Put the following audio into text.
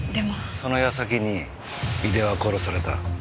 その矢先に井出は殺された。